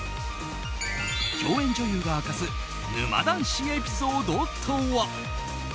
共演女子が明かす沼男子エピソードとは。